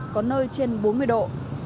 có nơi trên bốn mươi độ